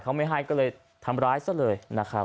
เขาไม่ให้ก็เลยทำร้ายซะเลย